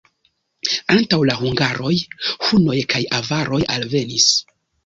Antaŭ la hungaroj hunoj kaj avaroj alvenis.